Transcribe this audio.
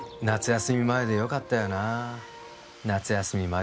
夏休み前でよかったよな夏休み